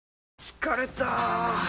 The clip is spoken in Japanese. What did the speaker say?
疲れた！